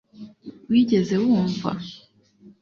wigeze wumva